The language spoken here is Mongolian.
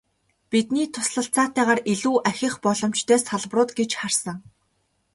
Бидний туслалцаатайгаар илүү ахих боломжтой салбарууд гэж харсан.